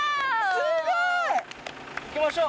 すごい行きましょう！